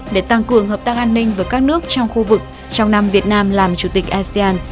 để tăng cường hợp tác an ninh với các nước trong khu vực trong năm việt nam làm chủ tịch asean